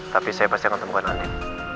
tapi saya pasti akan temukan nanti